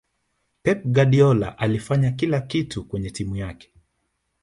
pep guardiola alifanya kila kitu kwenye timu yake